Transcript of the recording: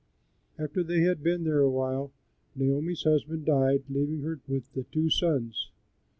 After they had been there a while Naomi's husband died, leaving her with the two sons.